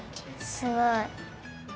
すごい！